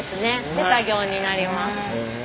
手作業になります。